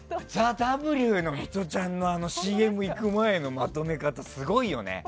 「ＴＨＥＷ」のミトちゃんのＣＭいく前のまとめ方すごいよね。